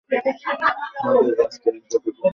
আমাদের ব্যস ট্রেনটা থেকে নেমে যাওয়া উচিত।